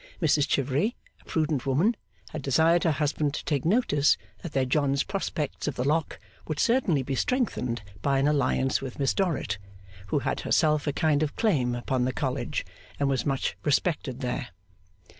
Mrs Chivery, a prudent woman, had desired her husband to take notice that their John's prospects of the Lock would certainly be strengthened by an alliance with Miss Dorrit, who had herself a kind of claim upon the College and was much respected there.